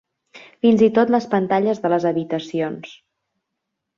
Fins i tot les pantalles de les habitacions.